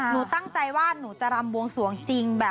หนูตั้งใจว่าหนูจะรำบวงสวงจริง